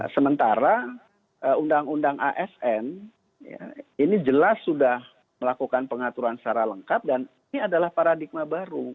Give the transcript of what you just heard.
sementara undang undang asn ini jelas sudah melakukan pengaturan secara lengkap dan ini adalah paradigma baru